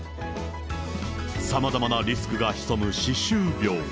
さまざまなリスクが潜む歯周病。